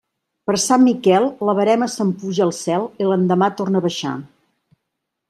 Per Sant Miquel, la verema se'n puja al cel, i l'endemà torna a baixar.